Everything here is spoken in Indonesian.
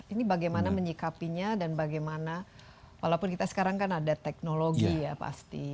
ini bagaimana menyikapinya dan bagaimana walaupun kita sekarang kan ada teknologi ya pasti